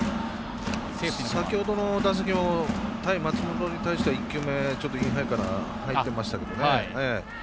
先ほどの打席の対松本に入ってはインハイから入っていましたけどね。